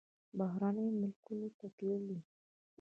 بهرنیو ملکونو ته تللی.